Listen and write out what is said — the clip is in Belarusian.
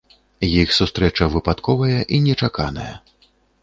Іх сустрэча выпадковая і нечаканая.